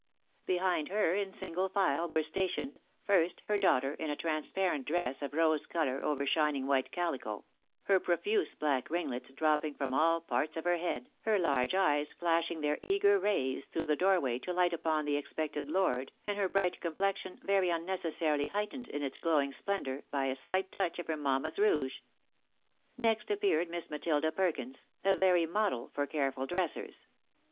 Behind her, in single file, were stationed — first, her daughter, in a transparent dress of rose colour over shining white calico ; her profuse black ringlets dropping from all parts of her head, her large eyes flashing their eager rays through the doorway to hght upon the expected lord, and her bright com plexion very unnecessarily heightened in its glowing splendour by a slight touch of her mamma's rouge. Next appeared Miss Matilda Perkins, a very model for careful dressers.